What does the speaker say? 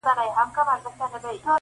زه تر مور او پلار پر ټولو مهربان یم -